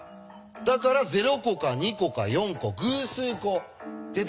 だから０個か２個か４個偶数個出てきます。